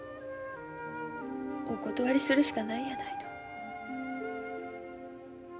お断りするしかないやないの。